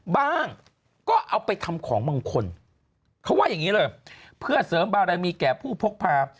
บ้างก็เอาไปทำของมงคลเขาว่าอย่างนี้เลยเพื่อเสริมบารมีแก่ผู้พกพา